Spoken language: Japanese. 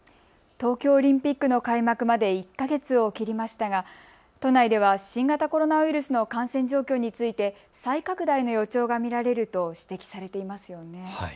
東京オリンピックの開幕まで１か月を切りましたが、都内では新型コロナウイルスの感染状況について再拡大の予兆が見られると指摘されていますよね。